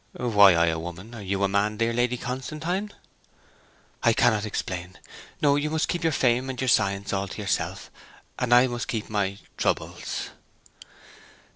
'Why I a woman, or you a man, dear Lady Constantine?' 'I cannot explain. No; you must keep your fame and your science all to yourself, and I must keep my troubles.'